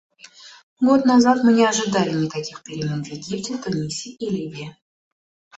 Год назад мы не ожидали никаких перемен в Египте, Тунисе и Ливии.